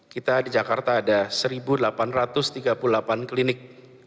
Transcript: kita di jakarta ada satu delapan ratus tiga puluh delapan klinik